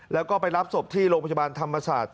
แล้วก็ไปรับศพที่โรงพยาบาลธรรมศาสตร์